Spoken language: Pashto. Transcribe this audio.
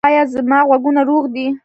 ایا زما غوږونه روغ دي؟